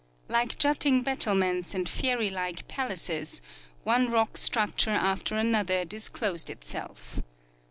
Like jutting battlements and fairy like palaces, one rock structure after another disclosed itself.